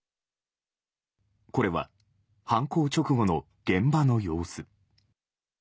これは犯行直後の現場の様子。